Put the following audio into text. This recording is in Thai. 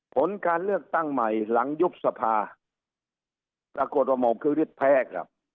ผลการเลือกตั้งใหม่หลังยุบสภาปรากฏว่าหมอกคือฤทธิแพ้ครับ